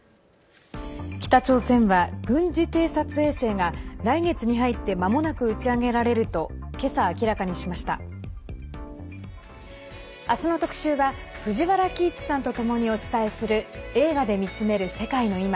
北朝鮮は軍事偵察衛星が来月に入ってまもなく打ち上げられると明日の特集は藤原帰一さんとともにお伝えする「映画で見つめる世界のいま」。